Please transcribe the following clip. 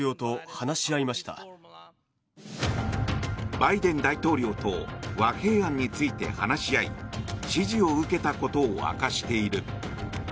バイデン大統領と和平案について話し合い支持を受けたことを明かしている。